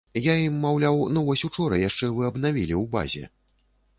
Я ім, маўляў, ну вось учора яшчэ вы абнавілі ў базе.